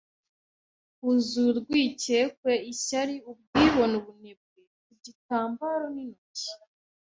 Huzuye urwikekwe ishyari ubwibone ubunebwe ku gitambaro n'intoki